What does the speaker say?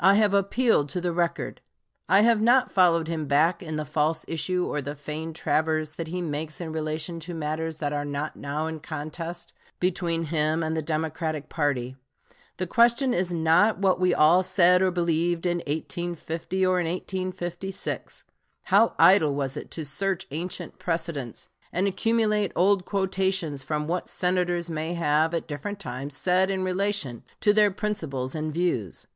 I have appealed to the record. I have not followed him back in the false issue or the feigned traverse that he makes in relation to matters that are not now in contest between him and the Democratic party. The question is not what we all said or believed in 1850 or in 1856. How idle was it to search ancient precedents and accumulate old quotations from what Senators may have at different times said in relation to their principles and views.